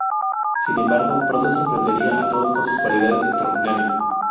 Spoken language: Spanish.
Sin embargo, pronto sorprendería a todos con sus cualidades extraordinarias.